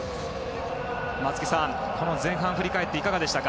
松木さん、この前半振り返っていかがでしたか。